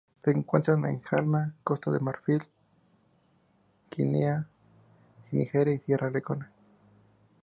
Se encuentran en Ghana, Costa de Marfil, Guinea, Nigeria y Sierra Leona.